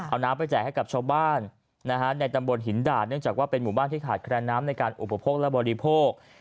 เอาน้ำไปแจกให้กับชาวบ้านนะฮะในตำบลหินด่าเนื่องจากว่าเป็นหมู่บ้านที่ขาดแคลนน้ำในการอุปโภคและบริโภค